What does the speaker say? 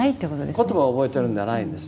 言葉を覚えてるんではないんです。